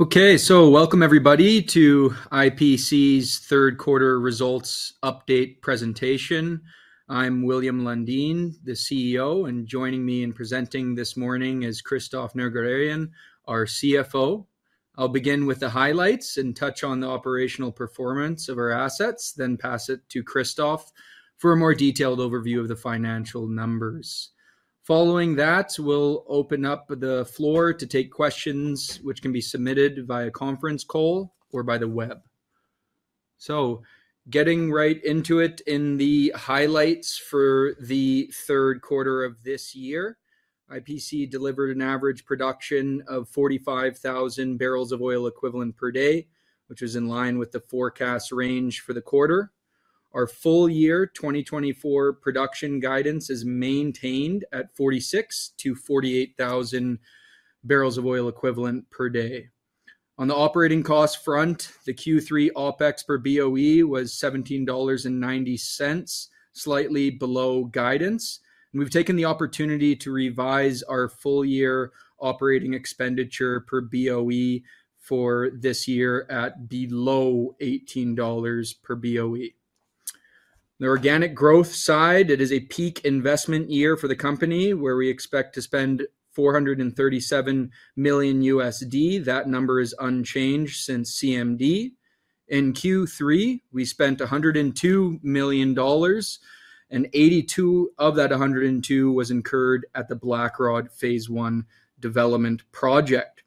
Okay, so welcome everybody to IPC's third quarter results update presentation. I'm William Lundin, the CEO, and joining me in presenting this morning is Christophe Nerguararian, our CFO. I'll begin with the highlights and touch on the operational performance of our assets, then pass it to Christophe for a more detailed overview of the financial numbers. Following that, we'll open up the floor to take questions, which can be submitted via conference call or by the web. So getting right into it, in the highlights for the third quarter of this year, IPC delivered an average production of 45,000 barrels of oil equivalent per day, which is in line with the forecast range for the quarter. Our full year 2024 production guidance is maintained at 46,000-48,000 barrels of oil equivalent per day. On the operating cost front, the Q3 OPEX per BOE was $17.90, slightly below guidance. We've taken the opportunity to revise our full year operating expenditure per BOE for this year at below $18 per BOE. The organic growth side, it is a peak investment year for the company, where we expect to spend $437 million. That number is unchanged since CMD. In Q3, we spent $102 million, and 82 of that 102 was incurred at the Blackrod Phase 1 development project.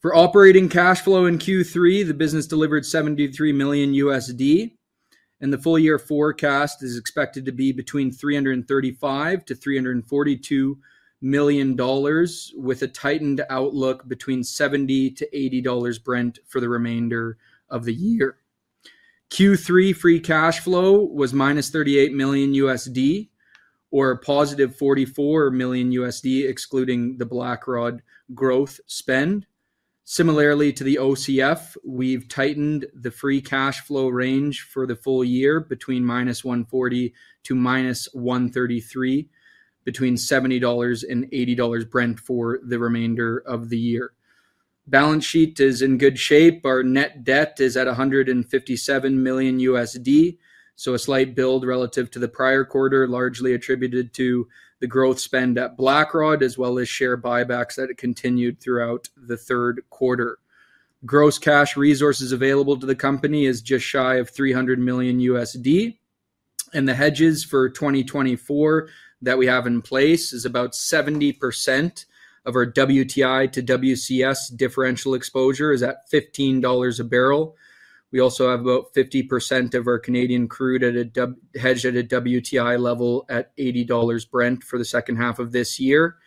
For operating cash flow in Q3, the business delivered $73 million, and the full year forecast is expected to be between $335 to $342 million, with a tightened outlook between $70 to $80 Brent for the remainder of the year. Q3 free cash flow was minus $38 million, or positive $44 million, excluding the Blackrod growth spend. Similarly to the OCF, we've tightened the free cash flow range for the full year between minus 140 to minus 133, between $70 and $80 Brent for the remainder of the year. Balance sheet is in good shape. Our net debt is at $157 million, so a slight build relative to the prior quarter, largely attributed to the growth spend at Blackrod, as well as share buybacks that continued throughout the third quarter. Gross cash resources available to the company is just shy of $300 million, and the hedges for 2024 that we have in place is about 70% of our WTI to WCS differential exposure is at $15 a barrel. We also have about 50% of our Canadian crude hedged at a WTI level at $80 Brent for the second half of this year,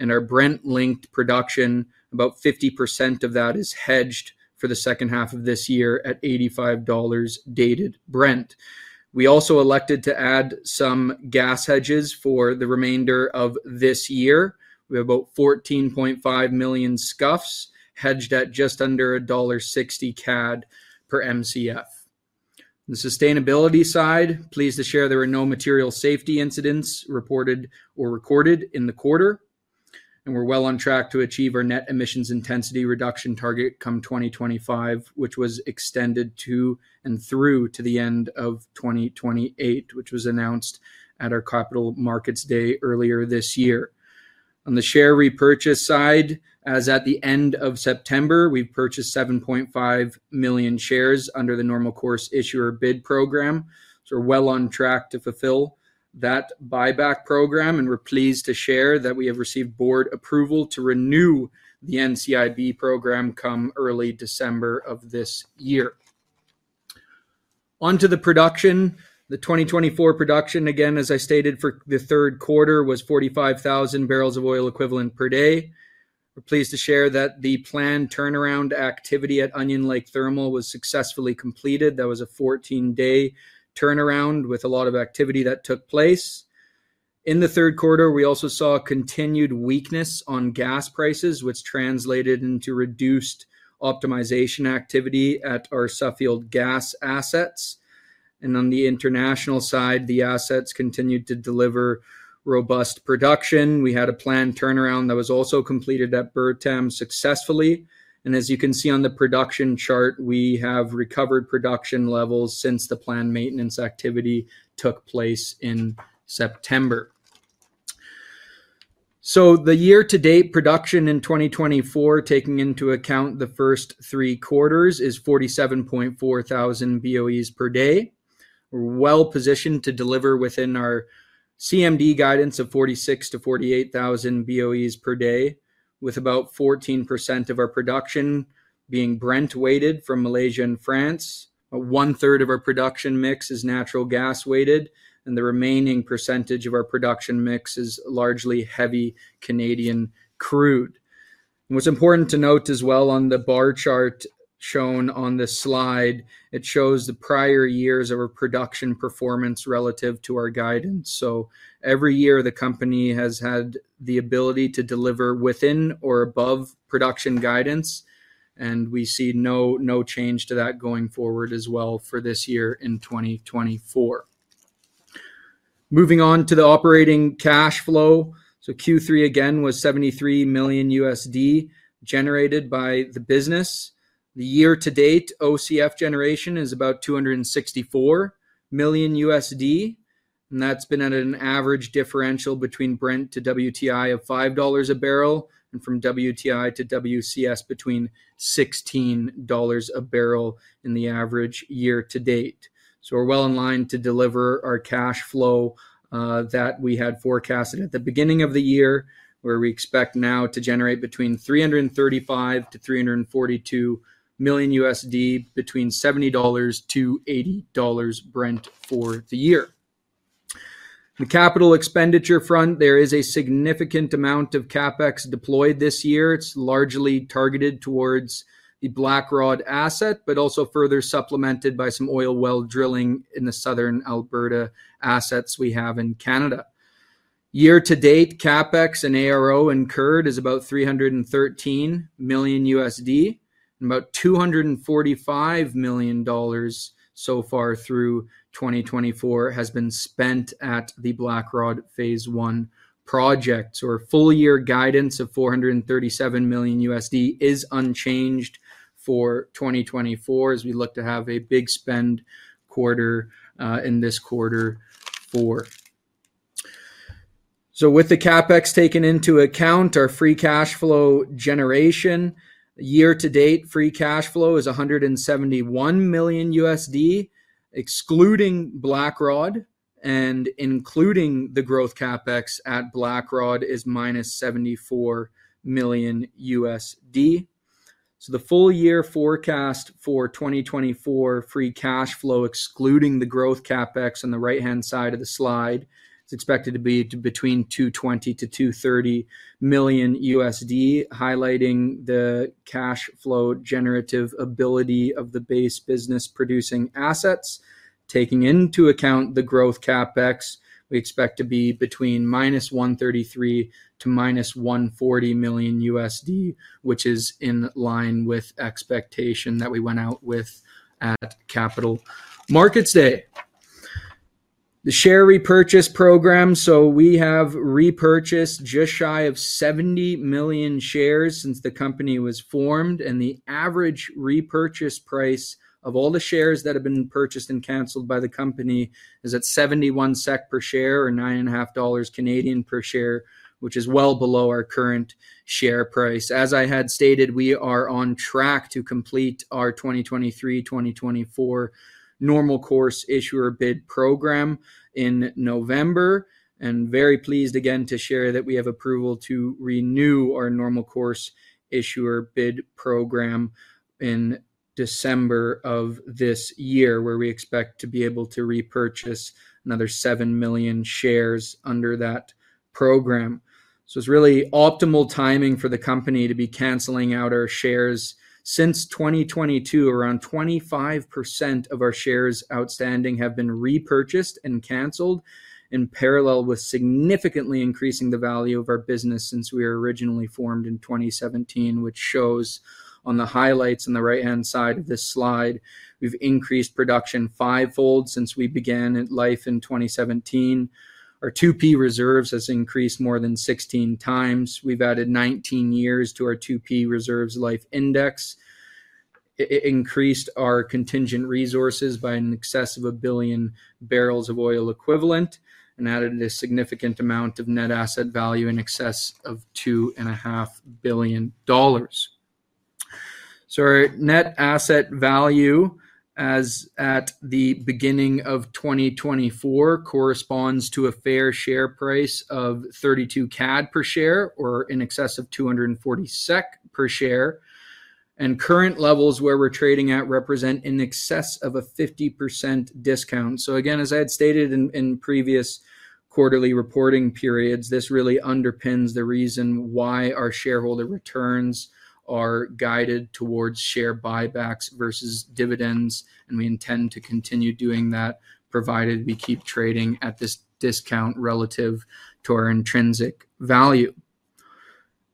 and our Brent-linked production, about 50% of that is hedged for the second half of this year at $85 Dated Brent. We also elected to add some gas hedges for the remainder of this year. We have about 14.5 million SCF hedged at just under dollar 1.60 per MCF. On the sustainability side, pleased to share there were no material safety incidents reported or recorded in the quarter, and we're well on track to achieve our net emissions intensity reduction target come 2025, which was extended to and through to the end of 2028, which was announced at our Capital Markets Day earlier this year. On the share repurchase side, as at the end of September, we've purchased 7.5 million shares under the Normal Course Issuer Bid program, so we're well on track to fulfill that buyback program, and we're pleased to share that we have received board approval to renew the NCIB program come early December of this year. On to the production, the 2024 production, again, as I stated for the third quarter, was 45,000 barrels of oil equivalent per day. We're pleased to share that the planned turnaround activity at Onion Lake Thermal was successfully completed. That was a 14-day turnaround with a lot of activity that took place. In the third quarter, we also saw continued weakness on gas prices, which translated into reduced optimization activity at our Suffield gas assets, and on the international side, the assets continued to deliver robust production. We had a planned turnaround that was also completed at Bertam successfully. And as you can see on the production chart, we have recovered production levels since the planned maintenance activity took place in September. So the year-to-date production in 2024, taking into account the first three quarters, is 47.4 thousand BOEs per day. We're well positioned to deliver within our CMD guidance of 46,000-48,000 BOEs per day, with about 14% of our production being Brent-weighted from Malaysia and France. One third of our production mix is natural gas weighted, and the remaining percentage of our production mix is largely heavy Canadian crude. What's important to note as well on the bar chart shown on this slide, it shows the prior years of our production performance relative to our guidance. Every year the company has had the ability to deliver within or above production guidance, and we see no change to that going forward as well for this year in 2024. Moving on to the operating cash flow. Q3 again was $73 million generated by the business. The year-to-date OCF generation is about $264 million, and that's been at an average differential between Brent to WTI of $5 a barrel and from WTI to WCS between $16 a barrel in the average year to date. We're well in line to deliver our cash flow that we had forecasted at the beginning of the year, where we expect now to generate between $335-$342 million, between $70-$80 Brent for the year. On the capital expenditure front, there is a significant amount of CapEx deployed this year. It's largely targeted towards the Blackrod asset, but also further supplemented by some oil well drilling in the southern Alberta assets we have in Canada. Year-to-date CapEx and ARO incurred is about $313 million, and about $245 million so far through 2024 has been spent at the Blackrod Phase One projects. Our full year guidance of $437 million is unchanged for 2024, as we look to have a big spend quarter in this quarter for. So with the CapEx taken into account, our free cash flow generation, year-to-date free cash flow is $171 million. Excluding Blackrod and including the growth CapEx at Blackrod is minus $74 million. The full year forecast for 2024 free cash flow, excluding the growth CapEx on the right-hand side of the slide, is expected to be between $220-$230 million, highlighting the cash flow generative ability of the base business producing assets. Taking into account the growth CapEx, we expect to be between -$133-$140 million, which is in line with expectation that we went out with at Capital Markets Day. The share repurchase program, so we have repurchased just shy of 70 million shares since the company was formed, and the average repurchase price of all the shares that have been purchased and canceled by the company is at $0.71 per share or 9.50 dollars per share, which is well below our current share price. As I had stated, we are on track to complete our 2023-2024 Normal Course Issuer Bid program in November, and very pleased again to share that we have approval to renew our Normal Course Issuer Bid program in December of this year, where we expect to be able to repurchase another 7 million shares under that program. So it's really optimal timing for the company to be canceling out our shares. Since 2022, around 25% of our shares outstanding have been repurchased and canceled, in parallel with significantly increasing the value of our business since we were originally formed in 2017, which shows on the highlights on the right-hand side of this slide. We've increased production fivefold since we began life in 2017. Our 2P reserves have increased more than 16 times. We've added 19 years to our 2P reserves life index. It increased our contingent resources by an excess of 1 billion barrels of oil equivalent and added a significant amount of net asset value in excess of $2.5 billion. So our net asset value, as at the beginning of 2024, corresponds to a fair share price of 32 CAD per share or in excess of CAD 2.40 per share. And current levels where we're trading at represent in excess of a 50% discount. So again, as I had stated in previous quarterly reporting periods, this really underpins the reason why our shareholder returns are guided towards share buybacks versus dividends, and we intend to continue doing that, provided we keep trading at this discount relative to our intrinsic value.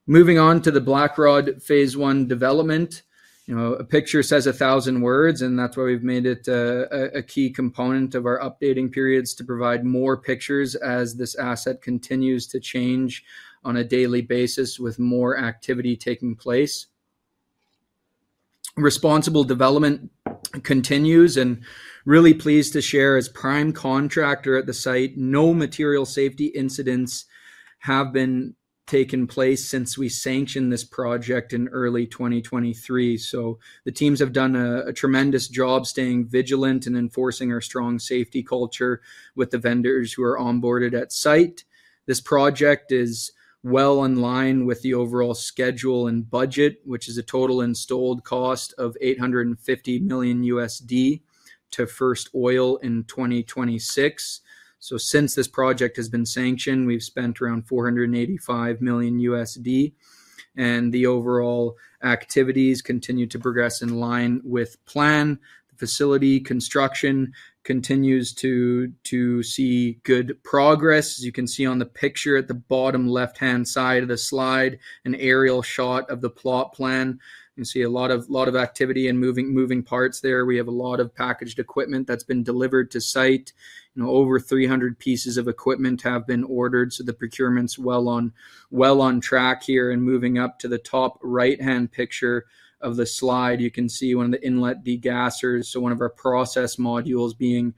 Moving on to the Blackrod Phase 1 development, a picture says a thousand words, and that's why we've made it a key component of our updating periods to provide more pictures as this asset continues to change on a daily basis with more activity taking place. Responsible development continues, and really pleased to share as prime contractor at the site, no material safety incidents have taken place since we sanctioned this project in early 2023, so the teams have done a tremendous job staying vigilant and enforcing our strong safety culture with the vendors who are onboarded at site. This project is well in line with the overall schedule and budget, which is a total installed cost of $850 million to first oil in 2026. So since this project has been sanctioned, we've spent around $485 million, and the overall activities continue to progress in line with plan. The facility construction continues to see good progress. As you can see on the picture at the bottom left-hand side of the slide, an aerial shot of the plot plan. You can see a lot of activity and moving parts there. We have a lot of packaged equipment that's been delivered to site. Over 300 pieces of equipment have been ordered, so the procurement's well on track here. And moving up to the top right-hand picture of the slide, you can see one of the inlet degassers, so one of our process modules being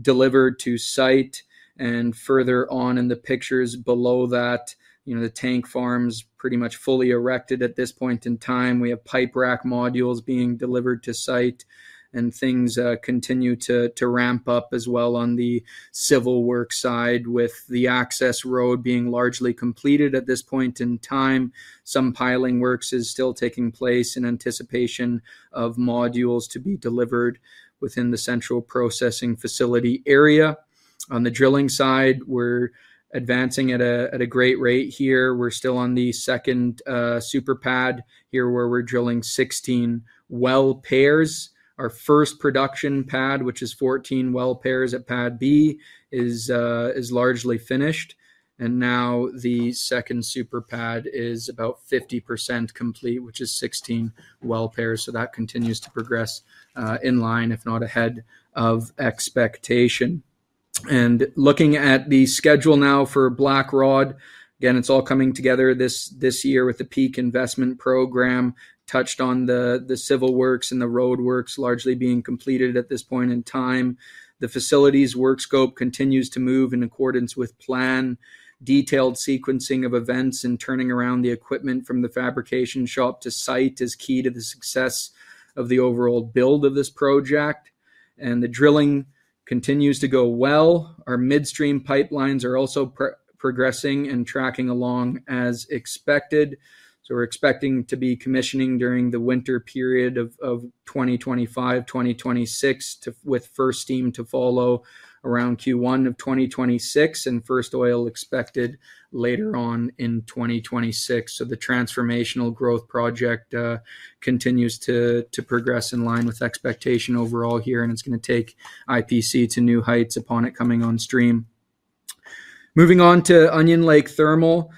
delivered to site. And further on in the pictures below that, the tank farm's pretty much fully erected at this point in time. We have pipe rack modules being delivered to site, and things continue to ramp up as well on the civil work side, with the access road being largely completed at this point in time. Some piling works is still taking place in anticipation of modules to be delivered within the Central Processing Facility area. On the drilling side, we're advancing at a great rate here. We're still on the second Super Pad here where we're drilling 16 well pairs. Our first production pad, which is 14 well pairs at Pad B, is largely finished, and now the second Super Pad is about 50% complete, which is 16 well pairs. So that continues to progress in line, if not ahead of expectation. Looking at the schedule now for Blackrod, again, it's all coming together this year with the peak investment program, touched on the civil works and the road works largely being completed at this point in time. The facility's work scope continues to move in accordance with plan. Detailed sequencing of events and turning around the equipment from the fabrication shop to site is key to the success of the overall build of this project. The drilling continues to go well. Our midstream pipelines are also progressing and tracking along as expected. We're expecting to be commissioning during the winter period of 2025-2026, with first steam to follow around Q1 of 2026, and first oil expected later on in 2026. The transformational growth project continues to progress in line with expectation overall here, and it's going to take IPC to new heights upon it coming on stream. Moving on to Onion Lake Thermal.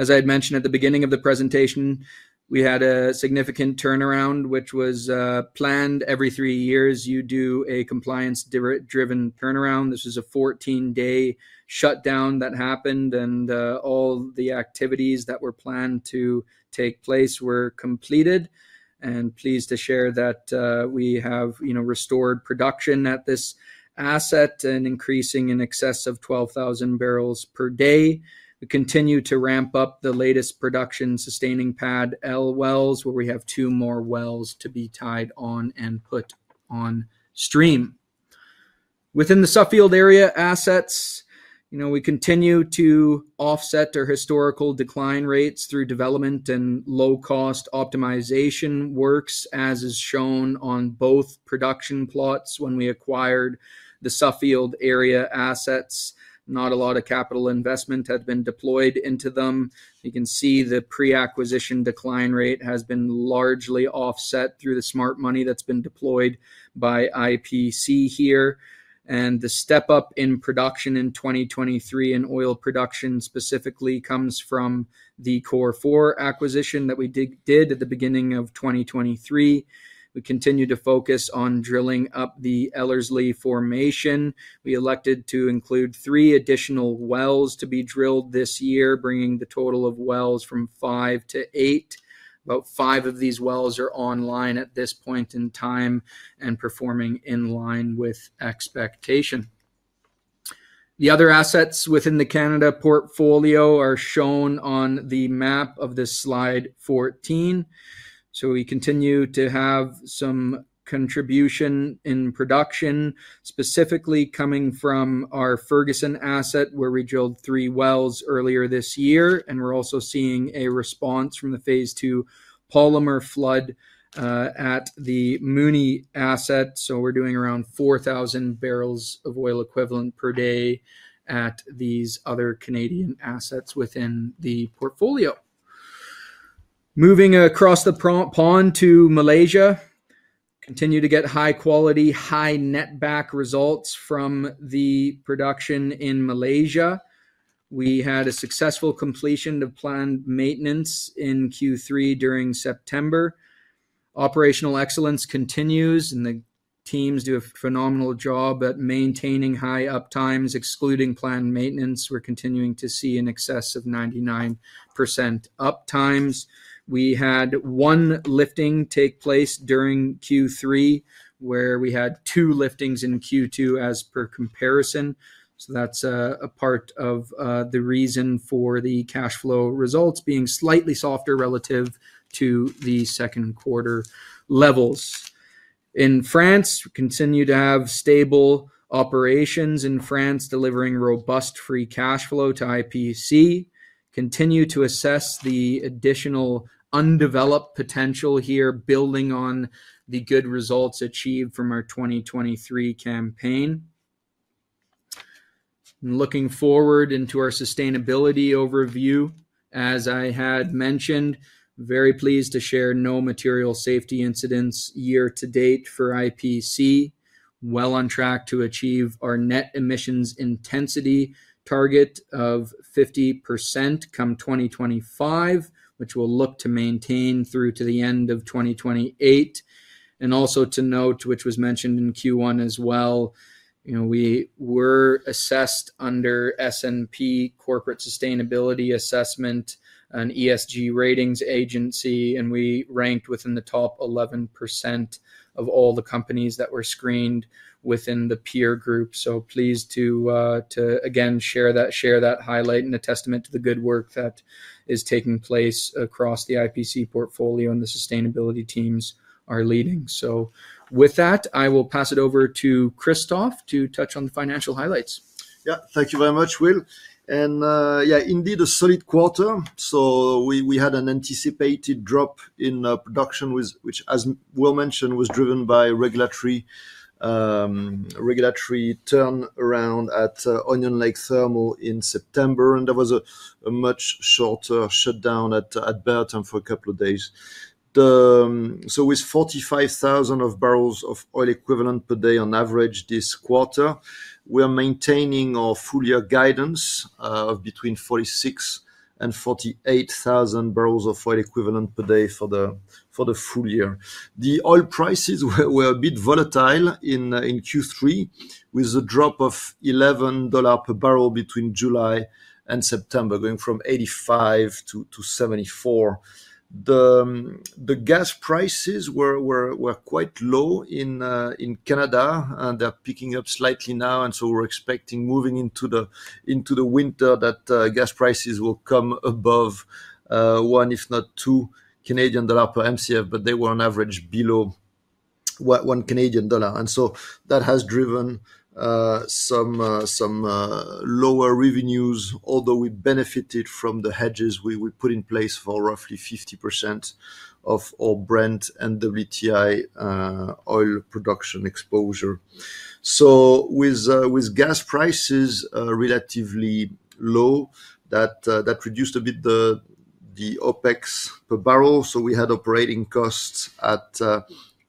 As I had mentioned at the beginning of the presentation, we had a significant turnaround, which was planned every three years. You do a compliance-driven turnaround. This was a 14-day shutdown that happened, and all the activities that were planned to take place were completed. And pleased to share that we have restored production at this asset and increasing in excess of 12,000 barrels per day. We continue to ramp up the latest production sustaining Pad L wells, where we have two more wells to be tied on and put on stream. Within the Suffield area assets, we continue to offset our historical decline rates through development and low-cost optimization works, as is shown on both production plots when we acquired the Suffield area assets. Not a lot of capital investment had been deployed into them. You can see the pre-acquisition decline rate has been largely offset through the smart money that's been deployed by IPC here. The step up in production in 2023 in oil production specifically comes from the Cor4 acquisition that we did at the beginning of 2023. We continue to focus on drilling up the Ellerslie formation. We elected to include three additional wells to be drilled this year, bringing the total of wells from five to eight. About five of these wells are online at this point in time and performing in line with expectation. The other assets within the Canada portfolio are shown on the map of this slide 14. We continue to have some contribution in production, specifically coming from our Ferguson asset, where we drilled three wells earlier this year. We're also seeing a response from the phase two polymer flood at the Mooney asset. So we're doing around 4,000 barrels of oil equivalent per day at these other Canadian assets within the portfolio. Moving across the pond to Malaysia, we continue to get high-quality, high-netback results from the production in Malaysia. We had a successful completion of planned maintenance in Q3 during September. Operational excellence continues, and the teams do a phenomenal job at maintaining high uptimes. Excluding planned maintenance, we're continuing to see an excess of 99% uptimes. We had one lifting take place during Q3, where we had two liftings in Q2 as per comparison. So that's a part of the reason for the cash flow results being slightly softer relative to the second quarter levels. In France, we continue to have stable operations in France, delivering robust free cash flow to IPC. Continue to assess the additional undeveloped potential here, building on the good results achieved from our 2023 campaign. Looking forward into our sustainability overview, as I had mentioned, very pleased to share no material safety incidents year-to-date for IPC. Well on track to achieve our net emissions intensity target of 50% come 2025, which we'll look to maintain through to the end of 2028, and also to note, which was mentioned in Q1 as well, we were assessed under S&P Corporate Sustainability Assessment, an ESG ratings agency, and we ranked within the top 11% of all the companies that were screened within the peer group, so pleased to again share that highlight and a testament to the good work that is taking place across the IPC portfolio and the sustainability teams are leading, so with that, I will pass it over to Christophe to touch on the financial highlights. Yeah, thank you very much, Will. And yeah, indeed, a solid quarter. We had an anticipated drop in production, which, as Will mentioned, was driven by regulatory turnaround at Onion Lake Thermal in September. There was a much shorter shutdown at Bertam for a couple of days. With 45,000 barrels of oil equivalent per day on average this quarter, we're maintaining our full year guidance of between 46,000 and 48,000 barrels of oil equivalent per day for the full year. The oil prices were a bit volatile in Q3 with a drop of $11 per barrel between July and September, going from $85 to $74. The gas prices were quite low in Canada, and they're picking up slightly now. And so we're expecting, moving into the winter, that gas prices will come above 1, if not 2 Canadian dollar per MCF, but they were on average below 1 Canadian dollar. And so that has driven some lower revenues, although we benefited from the hedges we put in place for roughly 50% of our Brent and WTI oil production exposure. So with gas prices relatively low, that reduced a bit the OPEX per barrel. So we had operating costs at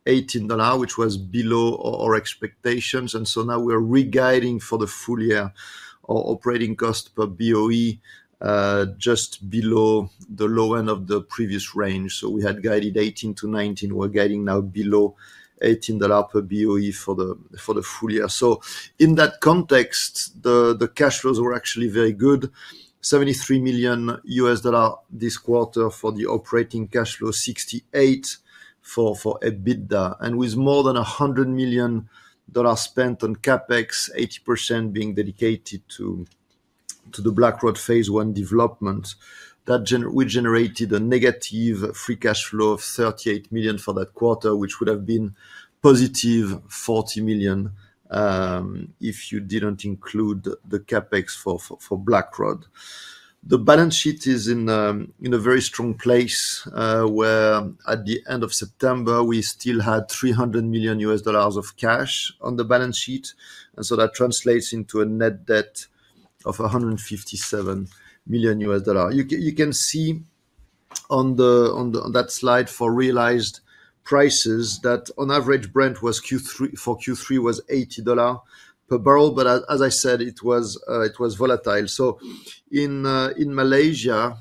$18, which was below our expectations. And so now we're re-guiding for the full year. Our operating cost per BOE just below the low end of the previous range. So we had guided $18-$19. We're guiding now below $18 per BOE for the full year. So in that context, the cash flows were actually very good. $73 million this quarter for the operating cash flow, $68 million for EBITDA. With more than $100 million spent on CapEx, 80% being dedicated to the Blackrod Phase 1 development, that we generated a negative free cash flow of $38 million for that quarter, which would have been positive $40 million if you didn't include the CapEx for Blackrod. The balance sheet is in a very strong place where, at the end of September, we still had $300 million of cash on the balance sheet. And so that translates into a net debt of $157 million. You can see on that slide for realized prices that, on average, Brent for Q3 was $80 per barrel. But as I said, it was volatile. So in Malaysia,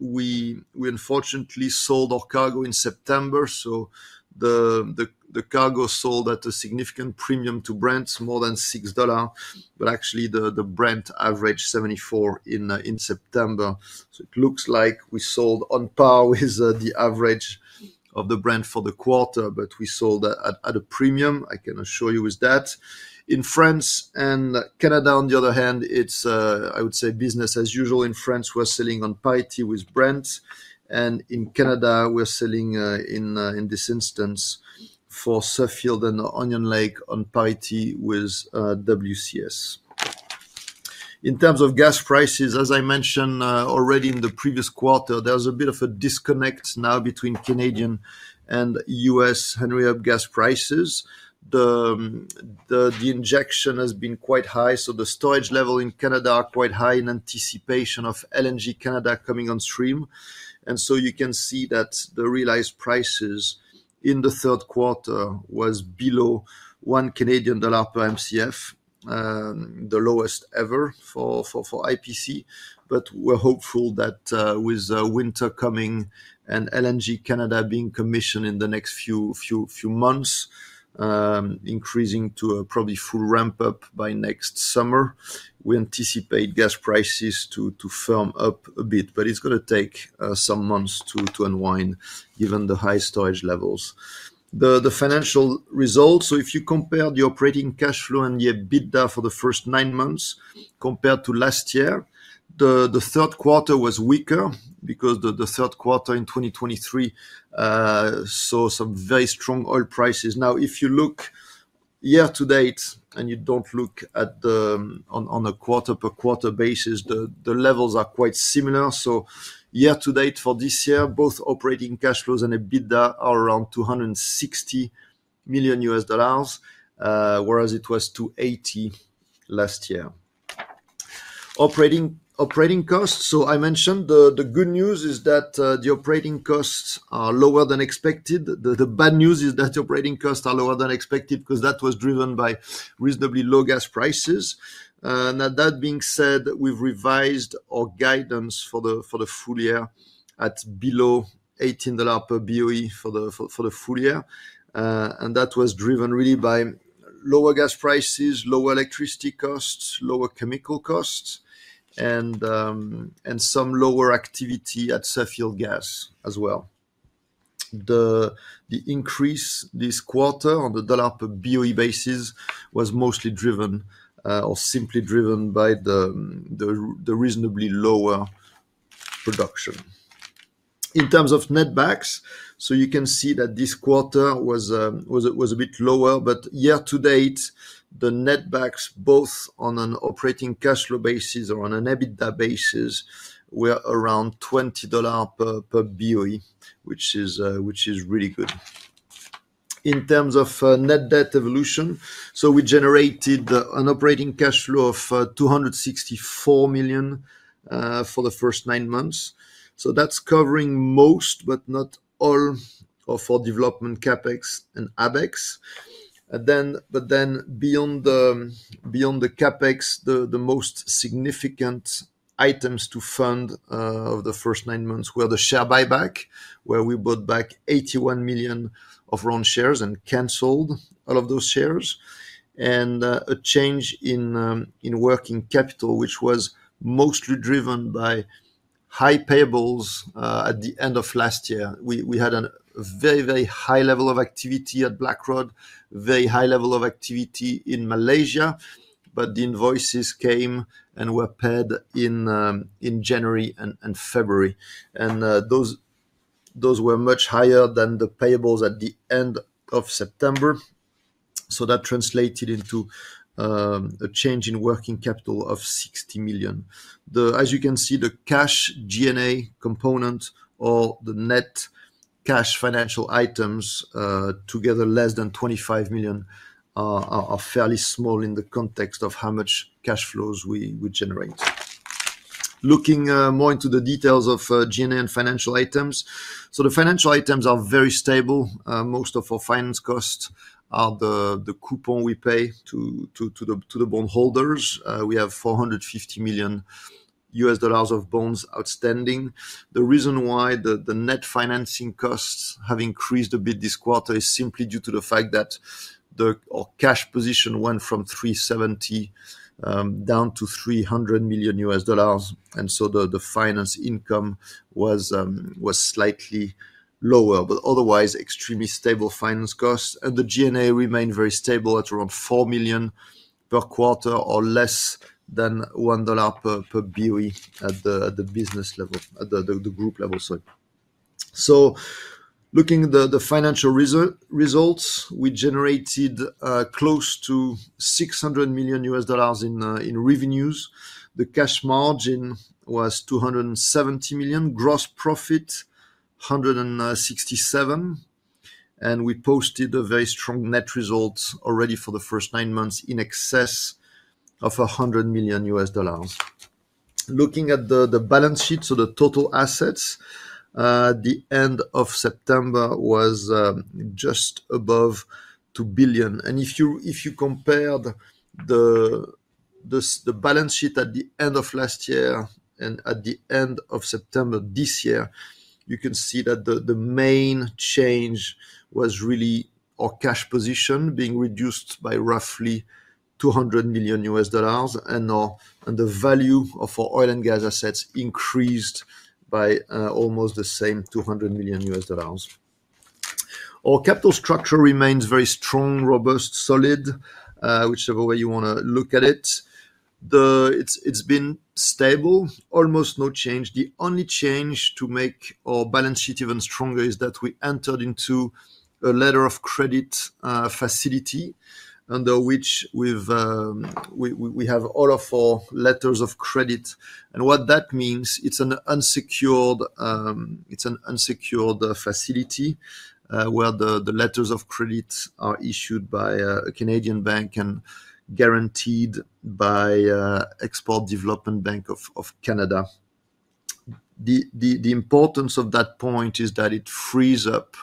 we unfortunately sold our cargo in September. So the cargo sold at a significant premium to Brent, more than $6. But actually, the Brent averaged $74 in September. So it looks like we sold on par with the average of the Brent for the quarter, but we sold at a premium. I can assure you with that. In France and Canada, on the other hand, it's, I would say, business as usual. In France, we're selling on parity with Brent. And in Canada, we're selling in this instance for Suffield and Onion Lake on parity with WCS. In terms of gas prices, as I mentioned already in the previous quarter, there's a bit of a disconnect now between Canadian and U.S. Henry Hub gas prices. The injection has been quite high. So the storage level in Canada is quite high in anticipation of LNG Canada coming on stream. You can see that the realized prices in the third quarter were below 1 Canadian dollar per MCF, the lowest ever for IPC. We're hopeful that with winter coming and LNG Canada being commissioned in the next few months, increasing to probably full ramp-up by next summer, we anticipate gas prices to firm up a bit. It's going to take some months to unwind, given the high storage levels. The financial results, so if you compare the operating cash flow and the EBITDA for the first nine months compared to last year, the third quarter was weaker because the third quarter in 2023 saw some very strong oil prices. Now, if you look year-to-date and you don't look at the on a quarter-per-quarter basis, the levels are quite similar. Year-to-date for this year, both operating cash flows and EBITDA are around $260 million USD, whereas it was $280 last year. Operating costs, so I mentioned the good news is that the operating costs are lower than expected. The bad news is that the operating costs are lower than expected because that was driven by reasonably low gas prices. And that being said, we've revised our guidance for the full year at below $18 per BOE for the full year. And that was driven really by lower gas prices, lower electricity costs, lower chemical costs, and some lower activity at Suffield Gas as well. The increase this quarter on the dollar per BOE basis was mostly driven or simply driven by the reasonably lower production. In terms of netback, so you can see that this quarter was a bit lower. But year-to-date, the netback, both on an operating cash flow basis or on an EBITDA basis, were around $20 per BOE, which is really good. In terms of net debt evolution, so we generated an operating cash flow of $264 million for the first nine months. So that's covering most, but not all of our development CapEx and ABEX. But then beyond the CapEx, the most significant items to fund of the first nine months were the share buyback, where we bought back 81 million of our shares and canceled all of those shares. And a change in working capital, which was mostly driven by high payables at the end of last year. We had a very, very high level of activity at Blackrod, very high level of activity in Malaysia. But the invoices came and were paid in January and February. And those were much higher than the payables at the end of September. So that translated into a change in working capital of $60 million. As you can see, the cash G&A component or the net cash financial items together, less than $25 million, are fairly small in the context of how much cash flows we generate. Looking more into the details of G&A and financial items, so the financial items are very stable. Most of our finance costs are the coupon we pay to the bondholders. We have $450 million of bonds outstanding. The reason why the net financing costs have increased a bit this quarter is simply due to the fact that our cash position went from $370 million down to $300 million. And so the finance income was slightly lower, but otherwise extremely stable finance costs. The G&A remained very stable at around $4 million per quarter, or less than $1 per BOE at the business level, at the group level, sorry. Looking at the financial results, we generated close to $600 million in revenues. The cash margin was $270 million, gross profit $167 million. We posted a very strong net result already for the first nine months in excess of $100 million. Looking at the balance sheet, so the total assets, the end of September was just above $2 billion. If you compared the balance sheet at the end of last year and at the end of September this year, you can see that the main change was really our cash position being reduced by roughly $200 million. The value of our oil and gas assets increased by almost the same $200 million. Our capital structure remains very strong, robust, solid, whichever way you want to look at it. It's been stable, almost no change. The only change to make our balance sheet even stronger is that we entered into a letter of credit facility under which we have all of our letters of credit. And what that means, it's an unsecured facility where the letters of credit are issued by a Canadian bank and guaranteed by Export Development Bank of Canada. The importance of that point is that it frees up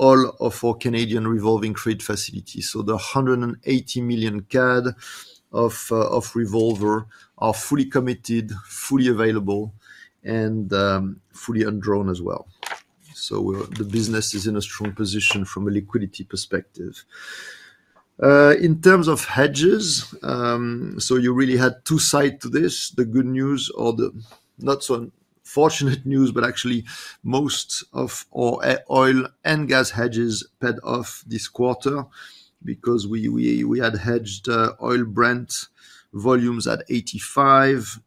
all of our Canadian revolving credit facilities. So the 180 million CAD of revolver are fully committed, fully available, and fully enjoyed as well. So the business is in a strong position from a liquidity perspective. In terms of hedges, so you really had two sides to this. The good news, or the not so unfortunate news, but actually most of our oil and gas hedges paid off this quarter because we had hedged oil Brent volumes at $85 million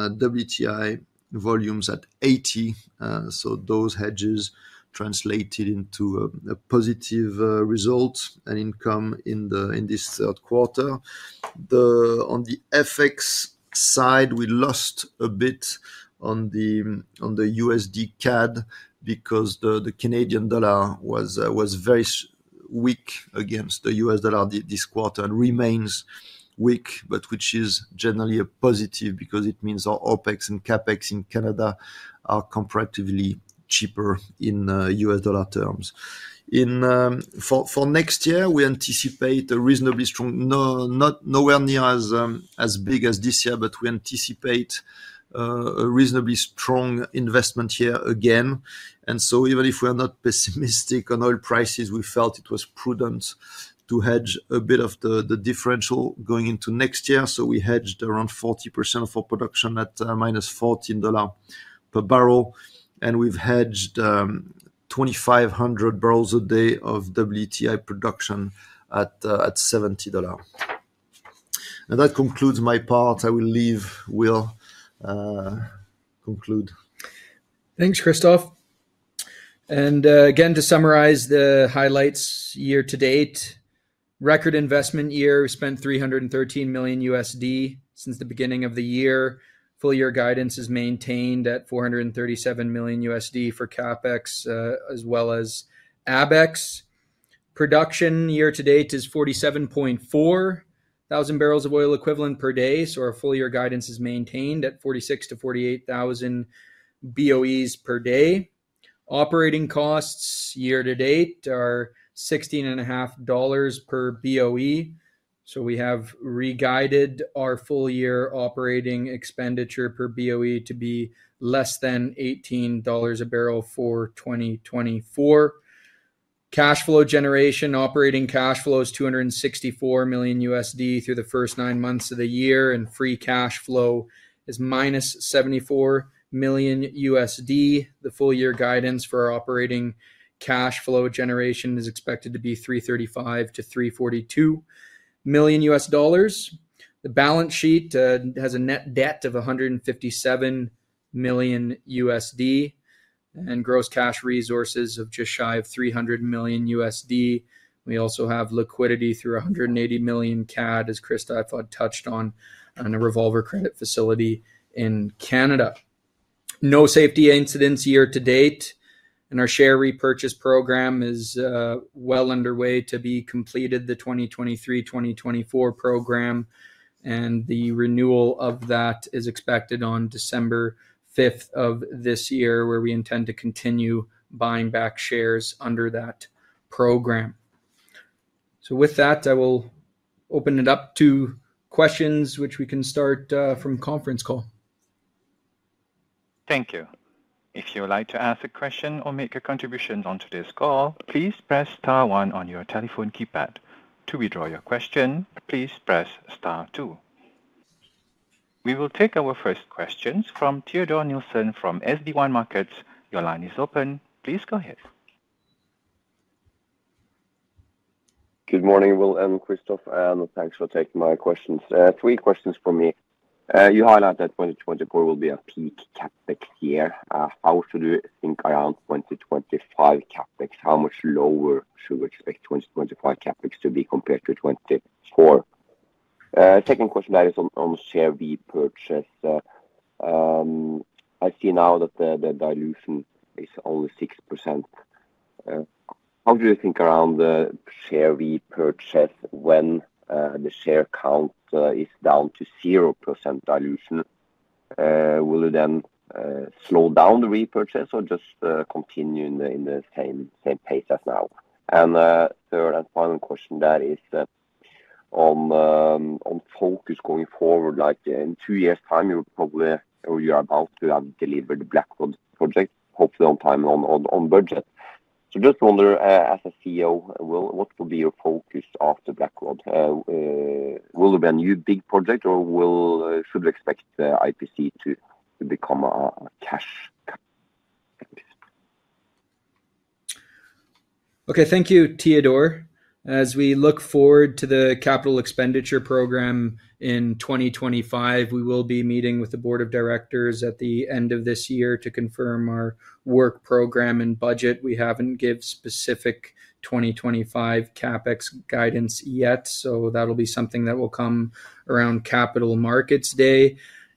and WTI volumes at $80 million. So those hedges translated into a positive result and income in this third quarter. On the FX side, we lost a bit on the USD CAD because the Canadian dollar was very weak against the US dollar this quarter and remains weak, but which is generally a positive because it means our OPEX and CapEx in Canada are comparatively cheaper in US dollar terms. For next year, we anticipate a reasonably strong, nowhere near as big as this year, but we anticipate a reasonably strong investment year again. And so even if we are not pessimistic on oil prices, we felt it was prudent to hedge a bit of the differential going into next year. So we hedged around 40% of our production at minus $14 per barrel. And we've hedged 2,500 barrels a day of WTI production at $70. And that concludes my part. I will leave. Will conclude. Thanks, Christophe. And again, to summarize the highlights year-to-date, record investment year, we spent $313 million since the beginning of the year. Full year guidance is maintained at $437 million for CapEx, as well as ABEX. Production year-to-date is 47.4 thousand barrels of oil equivalent per day. So our full year guidance is maintained at 46,000 to 48,000 BOEs per day. Operating costs year-to-date are $16.5 per BOE. So we have re-guided our full year operating expenditure per BOE to be less than $18 a barrel for 2024. Cash flow generation, operating cash flow is $264 million USD through the first nine months of the year. And free cash flow is minus $74 million USD. The full year guidance for our operating cash flow generation is expected to be $335 million to $342 million USD. The balance sheet has a net debt of $157 million USD. And gross cash resources have just shy of $300 million USD. We also have liquidity through 180 million CAD, as Christophe had touched on, on a revolving credit facility in Canada. No safety incidents year-to-date. And our share repurchase program is well underway to be completed, the 2023-2024 program. The renewal of that is expected on December 5th of this year, where we intend to continue buying back shares under that program. So with that, I will open it up to questions, which we can start from conference call. Thank you. If you would like to ask a question or make a contribution on today's call, please press star one on your telephone keypad. To withdraw your question, please press star two. We will take our first questions from Theodore Nielsen from SpareBank 1 Markets. Your line is open. Please go ahead. Good morning, Will and Christophe. And thanks for taking my questions. Three questions for me. You highlight that 2024 will be a peak CapEx year. How should we think around 2025 CapEx? How much lower should we expect 2025 CapEx to be compared to 2024? Second question there is on share repurchase. I see now that the dilution is only 6%. How do you think around share repurchase when the share count is down to 0% dilution? Will it then slow down the repurchase or just continue in the same pace as now? And third and final question there is on focus going forward. In two years' time, you're about to have delivered the Blackrod project, hopefully on time and on budget. So just wonder, as a CEO, what will be your focus after Blackrod? Will there be a new big project, or should we expect IPC to become a cash? Okay, thank you, Theodore. As we look forward to the capital expenditure program in 2025, we will be meeting with the board of directors at the end of this year to confirm our work program and budget. We haven't given specific 2025 CapEx guidance yet. So that'll be something that will come around Capital Markets Day.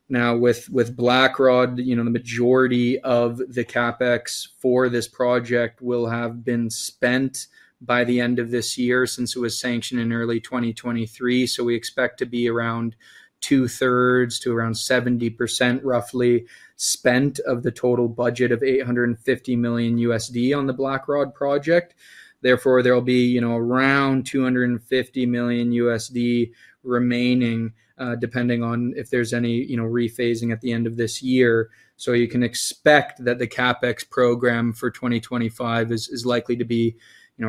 Now, with Blackrod, the majority of the CapEx for this project will have been spent by the end of this year since it was sanctioned in early 2023. So we expect to be around two-thirds to around 70%, roughly, spent of the total budget of $850 million on the Blackrod project. Therefore, there will be around $250 million remaining, depending on if there's any rephasing at the end of this year. So you can expect that the CapEx program for 2025 is likely to be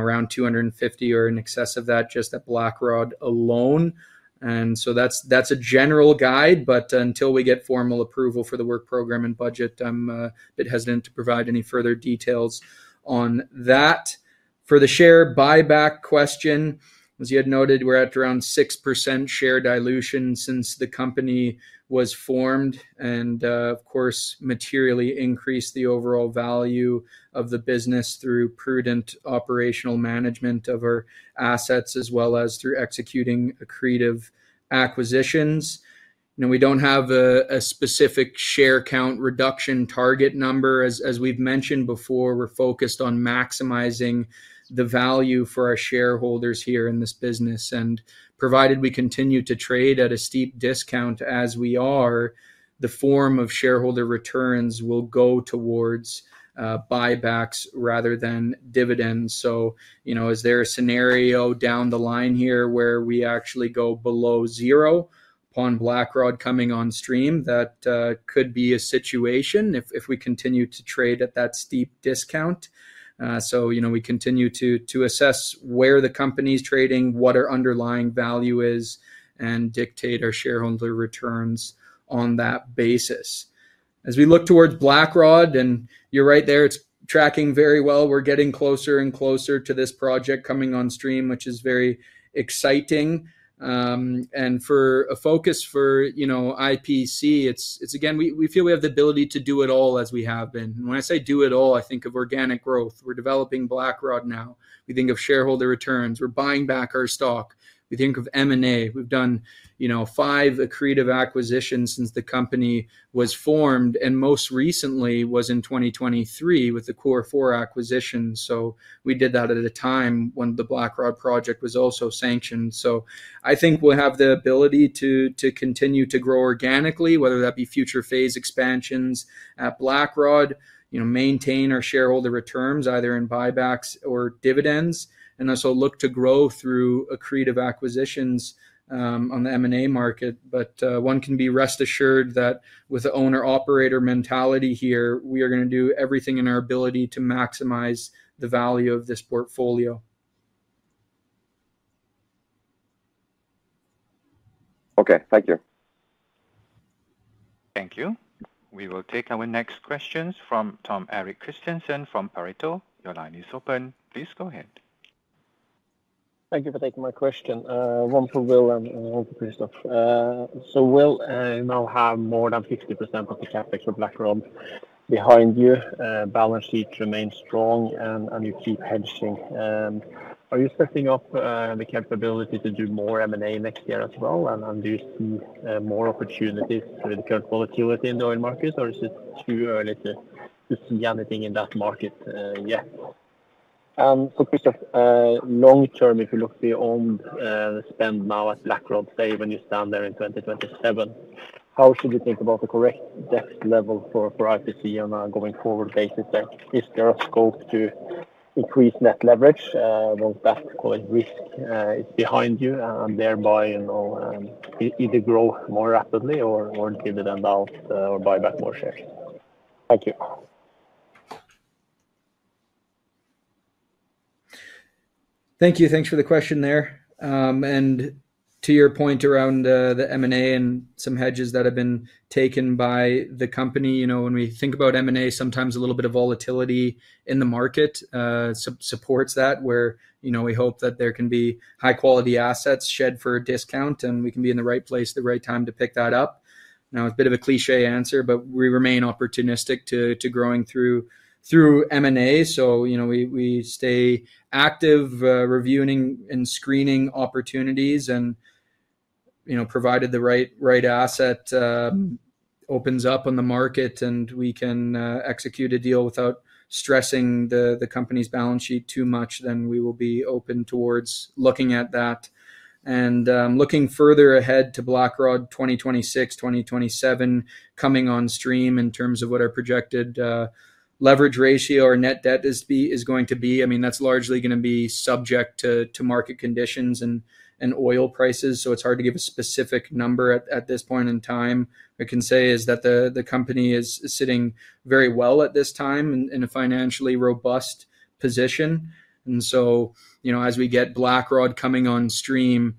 around $250 million or in excess of that just at Blackrod alone. And so that's a general guide. But until we get formal approval for the work program and budget, I'm a bit hesitant to provide any further details on that. For the share buyback question, as you had noted, we're at around 6% share dilution since the company was formed, and, of course, materially increased the overall value of the business through prudent operational management of our assets, as well as through executing accretive acquisitions. We don't have a specific share count reduction target number. As we've mentioned before, we're focused on maximizing the value for our shareholders here in this business, and provided we continue to trade at a steep discount as we are, the form of shareholder returns will go towards buybacks rather than dividends, so is there a scenario down the line here where we actually go below zero upon Blackrod coming on stream? That could be a situation if we continue to trade at that steep discount. We continue to assess where the company is trading, what our underlying value is, and dictate our shareholder returns on that basis. As we look towards Blackrod, and you're right there, it's tracking very well. We're getting closer and closer to this project coming on stream, which is very exciting. For a focus for IPC, it's, again, we feel we have the ability to do it all as we have been. When I say do it all, I think of organic growth. We're developing Blackrod now. We think of shareholder returns. We're buying back our stock. We think of M&A. We've done five accretive acquisitions since the company was formed, and most recently was in 2023 with the core four acquisitions. We did that at a time when the Blackrod project was also sanctioned. So I think we'll have the ability to continue to grow organically, whether that be future phase expansions at Blackrod, maintain our shareholder returns either in buybacks or dividends, and also look to grow through accretive acquisitions on the M&A market. But one can be rest assured that with the owner-operator mentality here, we are going to do everything in our ability to maximize the value of this portfolio. Okay, thank you. Thank you. We will take our next questions from Tom Erik Kristiansen from Pareto. Your line is open. Please go ahead. Thank you for taking my question. One for Will and one for Christophe. So Will, you now have more than 50% of the CapEx for Blackrod behind you. Balance sheet remains strong, and you keep hedging. Are you setting up the capability to do more M&A next year as well? And do you see more opportunities through the current volatility in the oil market, or is it too early to see anything in that market yet? So Christophe, long term, if you look at the cap spend now at Blackrod, say when you stand there in 2027, how should you think about the correct debt level for IPC on a going forward basis? If there is scope to increase net leverage, won't that call it risk? It's behind you, and thereby either grow more rapidly or dividend out or buy back more shares. Thank you. Thank you. Thanks for the question there. And to your point around the M&A and some hedges that have been taken by the company, when we think about M&A, sometimes a little bit of volatility in the market supports that, where we hope that there can be high-quality assets shed for a discount, and we can be in the right place, the right time to pick that up. Now, it's a bit of a cliché answer, but we remain opportunistic to growing through M&A. So we stay active, reviewing and screening opportunities. And provided the right asset opens up on the market and we can execute a deal without stressing the company's balance sheet too much, then we will be open towards looking at that. And looking further ahead to Blackrod 2026, 2027 coming on stream in terms of what our projected leverage ratio or net debt is going to be. I mean, that's largely going to be subject to market conditions and oil prices. So it's hard to give a specific number at this point in time. I can say is that the company is sitting very well at this time in a financially robust position. And so as we get Blackrod coming on stream,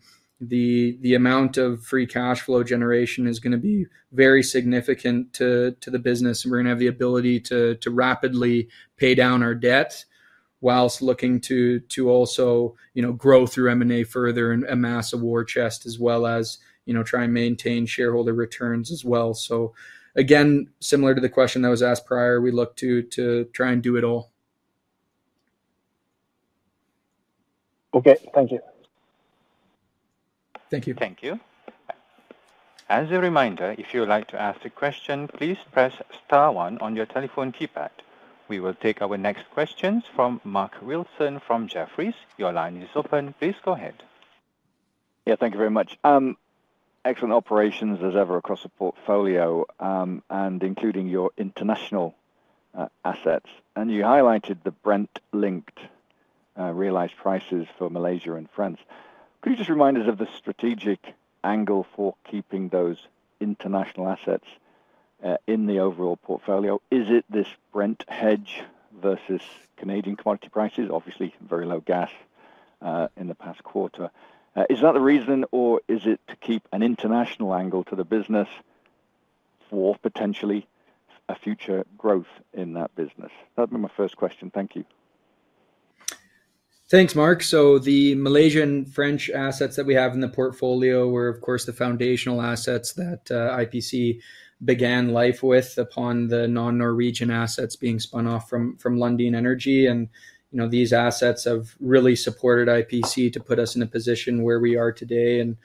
the amount of free cash flow generation is going to be very significant to the business. And we're going to have the ability to rapidly pay down our debt whilst looking to also grow through M&A further and amass a war chest, as well as try and maintain shareholder returns as well. So again, similar to the question that was asked prior, we look to try and do it all. Okay, thank you. Thank you. Thank you. As a reminder, if you would like to ask a question, please press star one on your telephone keypad. We will take our next questions from Mark Wilson from Jefferies. Your line is open. Please go ahead. Yeah, thank you very much. Excellent operations as ever across the portfolio, and including your international assets. And you highlighted the Brent-linked realized prices for Malaysia and France. Could you just remind us of the strategic angle for keeping those international assets in the overall portfolio? Is it this Brent hedge versus Canadian commodity prices? Obviously, very low gas in the past quarter. Is that the reason, or is it to keep an international angle to the business for potentially a future growth in that business? That'd be my first question. Thank you. Thanks, Mark. The Malaysian-French assets that we have in the portfolio were, of course, the foundational assets that IPC began life with upon the non-Norwegian assets being spun off from Lundin Energy. And these assets have really supported IPC to put us in a position where we are today and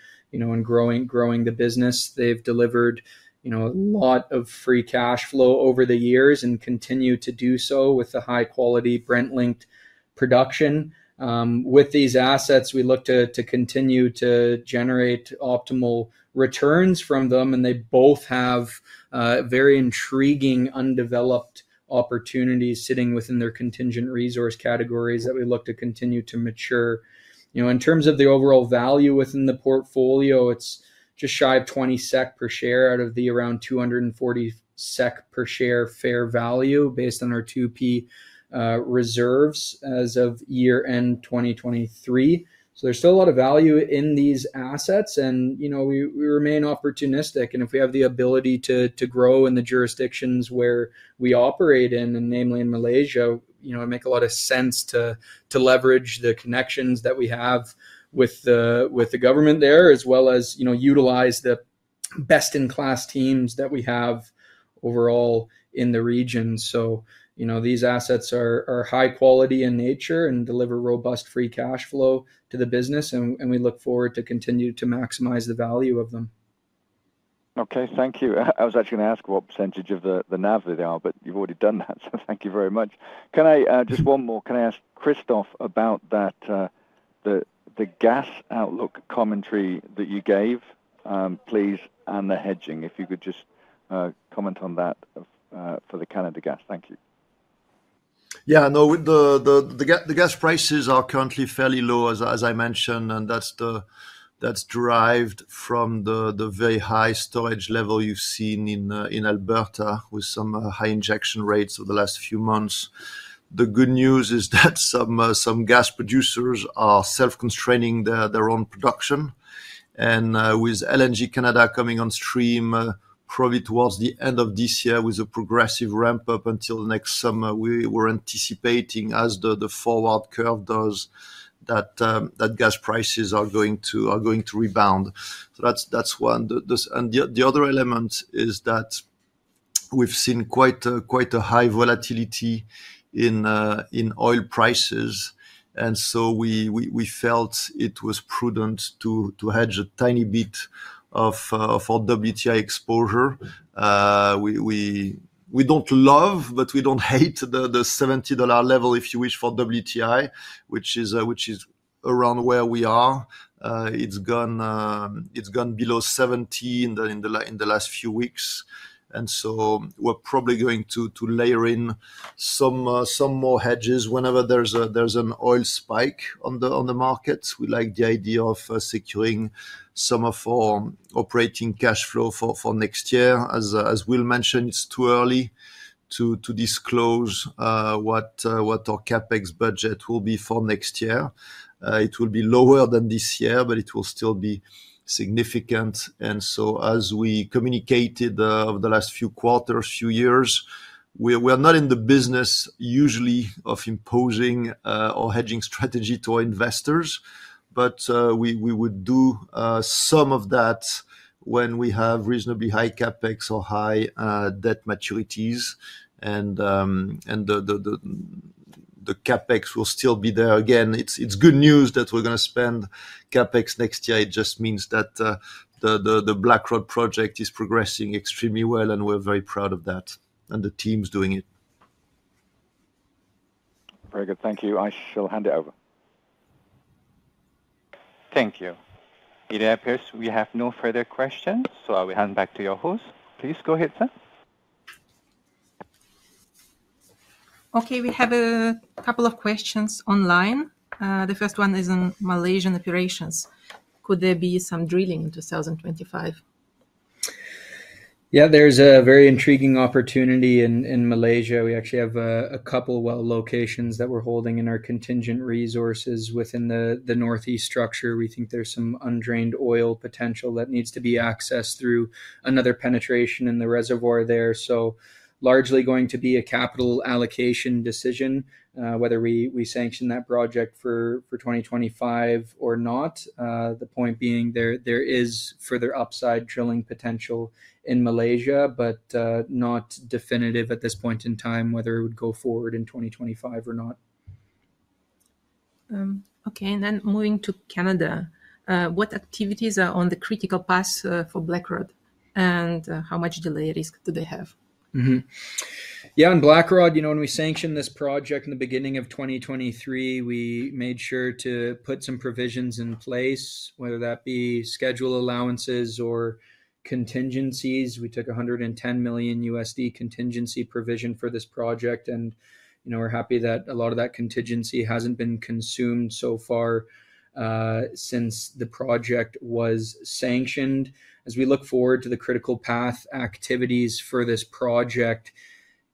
growing the business. They've delivered a lot of free cash flow over the years and continue to do so with the high-quality Brent-linked production. With these assets, we look to continue to generate optimal returns from them. And they both have very intriguing undeveloped opportunities sitting within their contingent resource categories that we look to continue to mature. In terms of the overall value within the portfolio, it's just shy of 20 SEK per share out of the around 240 SEK per share fair value based on our 2P reserves as of year-end 2023. So there's still a lot of value in these assets. And we remain opportunistic. And if we have the ability to grow in the jurisdictions where we operate in, and namely in Malaysia, it makes a lot of sense to leverage the connections that we have with the government there, as well as utilize the best-in-class teams that we have overall in the region. So these assets are high quality in nature and deliver robust free cash flow to the business. And we look forward to continue to maximize the value of them. Okay, thank you. I was actually going to ask what percentage of the NAV there are, but you've already done that. So thank you very much. Just one more. Can I ask Christophe about the gas outlook commentary that you gave, please, and the hedging? If you could just comment on that for the Canada gas. Thank you. Yeah, no, the gas prices are currently fairly low, as I mentioned. And that's derived from the very high storage level you've seen in Alberta with some high injection rates over the last few months. The good news is that some gas producers are self-constraining their own production. And with LNG Canada coming on stream, probably towards the end of this year with a progressive ramp-up until next summer, we were anticipating, as the forward curve does, that gas prices are going to rebound. So that's one. And the other element is that we've seen quite a high volatility in oil prices. And so we felt it was prudent to hedge a tiny bit of our WTI exposure. We don't love, but we don't hate the $70 level, if you wish, for WTI, which is around where we are. It's gone below 70 in the last few weeks. And so we're probably going to layer in some more hedges whenever there's an oil spike on the market. We like the idea of securing some of our operating cash flow for next year. As Will mentioned, it's too early to disclose what our CapEx budget will be for next year. It will be lower than this year, but it will still be significant. And so as we communicated over the last few quarters, few years, we're not in the business usually of imposing our hedging strategy to our investors. But we would do some of that when we have reasonably high CapEx or high debt maturities. And the CapEx will still be there. Again, it's good news that we're going to spend CapEx next year. It just means that the Blackrod project is progressing extremely well, and we're very proud of that. And the team's doing it. Very good. Thank you. I shall hand it over. Thank you. Peter Pearce, we have no further questions. So I will hand back to your host. Please go ahead, sir. Okay, we have a couple of questions online. The first one is on Malaysian operations. Could there be some drilling in 2025? Yeah, there's a very intriguing opportunity in Malaysia. We actually have a couple well locations that we're holding in our contingent resources within the northeast structure. We think there's some undrained oil potential that needs to be accessed through another penetration in the reservoir there. So largely going to be a capital allocation decision, whether we sanction that project for 2025 or not. The point being, there is further upside drilling potential in Malaysia, but not definitive at this point in time whether it would go forward in 2025 or not. Okay, and then moving to Canada, what activities are on the critical path for Blackrod? And how much delay risk do they have? Yeah, on Blackrod, when we sanctioned this project in the beginning of 2023, we made sure to put some provisions in place, whether that be schedule allowances or contingencies. We took $110 million contingency provision for this project. And we're happy that a lot of that contingency hasn't been consumed so far since the project was sanctioned. As we look forward to the critical path activities for this project,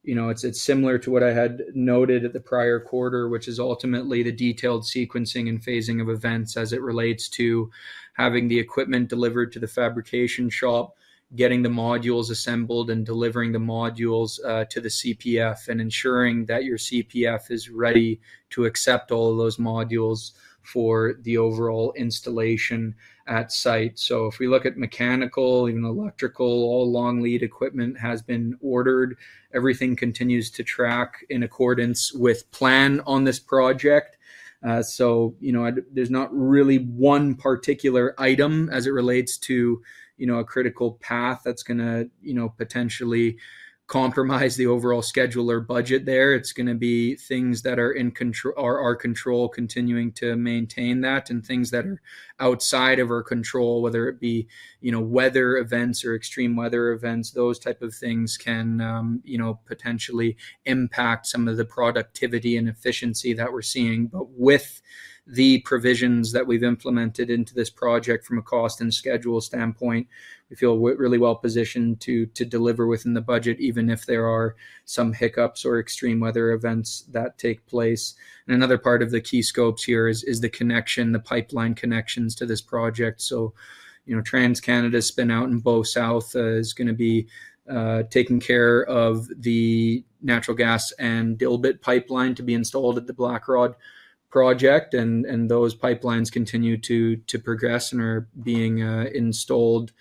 it's similar to what I had noted at the prior quarter, which is ultimately the detailed sequencing and phasing of events as it relates to having the equipment delivered to the fabrication shop, getting the modules assembled and delivering the modules to the CPF, and ensuring that your CPF is ready to accept all of those modules for the overall installation at site. So if we look at mechanical, even electrical, all long lead equipment has been ordered. Everything continues to track in accordance with plan on this project. So there's not really one particular item as it relates to a critical path that's going to potentially compromise the overall schedule or budget there. It's going to be things that are in our control continuing to maintain that and things that are outside of our control, whether it be weather events or extreme weather events, those type of things can potentially impact some of the productivity and efficiency that we're seeing. But with the provisions that we've implemented into this project from a cost and schedule standpoint, we feel really well positioned to deliver within the budget, even if there are some hiccups or extreme weather events that take place. And another part of the key scopes here is the connection, the pipeline connections to this project. So TransCanada spin-out South Bow is going to be taking care of the natural gas and Dilbit pipeline to be installed at the Blackrod project. And those pipelines continue to progress and are being installed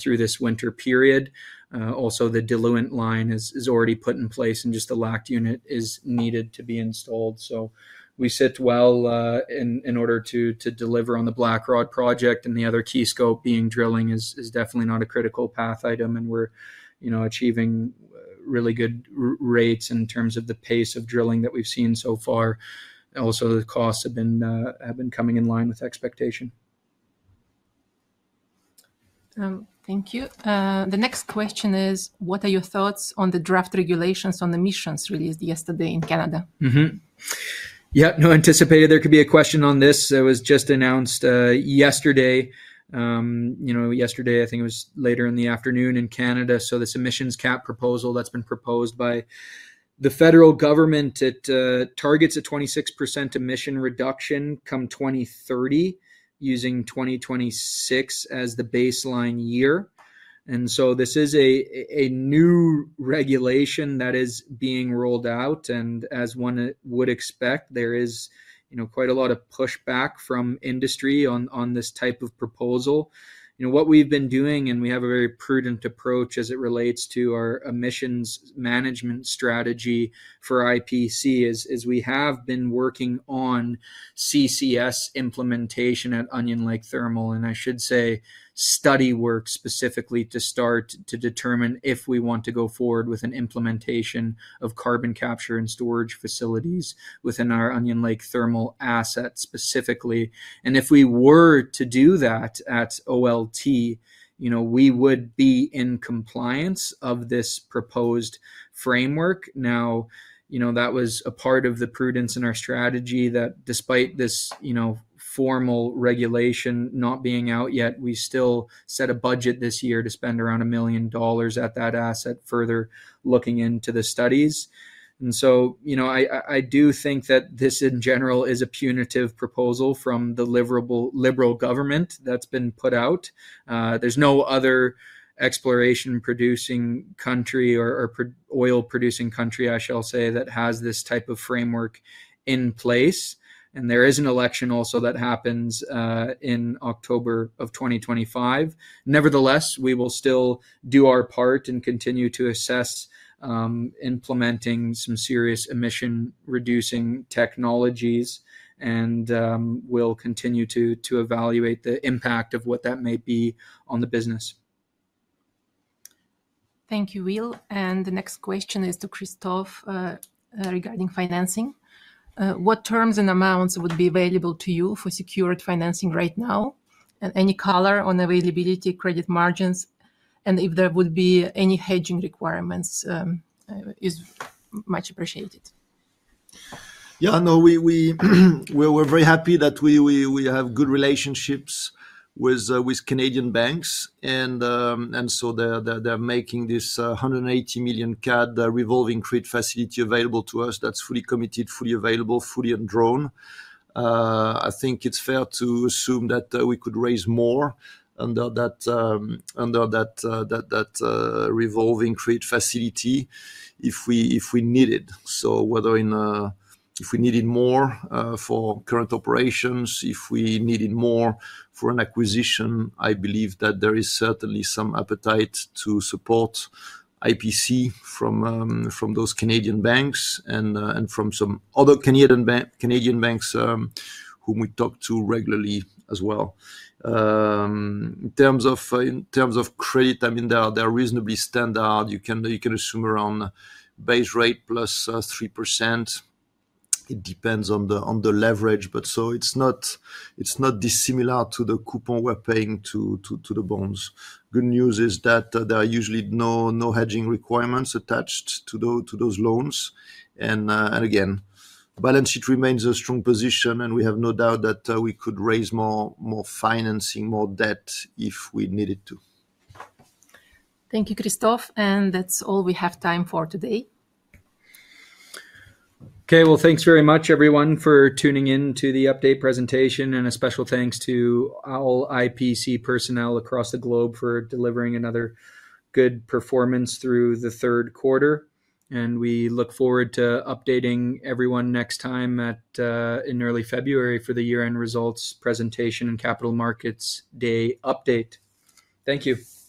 through this winter period. Also, the diluent line is already put in place, and just a LACT unit is needed to be installed. So we sit well in order to deliver on the Blackrod project. And the other key scope being drilling is definitely not a critical path item. And we're achieving really good rates in terms of the pace of drilling that we've seen so far. Also, the costs have been coming in line with expectation. Thank you. The next question is, what are your thoughts on the draft regulations on the emissions released yesterday in Canada? Yeah, no anticipated there could be a question on this. It was just announced yesterday. Yesterday, I think it was later in the afternoon in Canada. So the emissions cap proposal that's been proposed by the federal government targets a 26% emission reduction come 2030, using 2026 as the baseline year. And so this is a new regulation that is being rolled out. And as one would expect, there is quite a lot of pushback from industry on this type of proposal. What we've been doing, and we have a very prudent approach as it relates to our emissions management strategy for IPC, is we have been working on CCS implementation at Onion Lake Thermal. And I should say study work specifically to start to determine if we want to go forward with an implementation of carbon capture and storage facilities within our Onion Lake Thermal asset specifically. And if we were to do that at OLT, we would be in compliance of this proposed framework. Now, that was a part of the prudence in our strategy that despite this formal regulation not being out yet, we still set a budget this year to spend around 1 million dollars at that asset further looking into the studies. And so I do think that this in general is a punitive proposal from the Liberal government that's been put out. There's no other exploration producing country or oil producing country, I shall say, that has this type of framework in place. And there is an election also that happens in October of 2025. Nevertheless, we will still do our part and continue to assess implementing some serious emission-reducing technologies. And we'll continue to evaluate the impact of what that may be on the business. Thank you, Will. And the next question is to Christophe regarding financing. What terms and amounts would be available to you for secured financing right now? And any color on availability, credit margins, and if there would be any hedging requirements is much appreciated. Yeah, no, we're very happy that we have good relationships with Canadian banks. And so they're making this 180 million CAD revolving credit facility available to us that's fully committed, fully available, fully undrawn. I think it's fair to assume that we could raise more under that revolving credit facility if we need it. So if we needed more for current operations, if we needed more for an acquisition, I believe that there is certainly some appetite to support IPC from those Canadian banks and from some other Canadian banks whom we talk to regularly as well. In terms of credit, I mean, they're reasonably standard. You can assume around base rate plus 3%. It depends on the leverage. But so it's not dissimilar to the coupon we're paying to the bonds. Good news is that there are usually no hedging requirements attached to those loans. And again, balance sheet remains a strong position, and we have no doubt that we could raise more financing, more debt if we needed to. Thank you, Christophe. And that's all we have time for today. Okay, well, thanks very much, everyone, for tuning in to the update presentation. And a special thanks to all IPC personnel across the globe for delivering another good performance through the third quarter. And we look forward to updating everyone next time in early February for the year-end results presentation and Capital Markets Day update. Thank you.